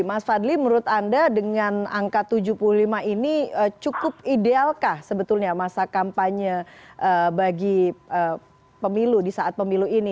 mas fadli menurut anda dengan angka tujuh puluh lima ini cukup idealkah sebetulnya masa kampanye bagi pemilu di saat pemilu ini